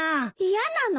嫌なの？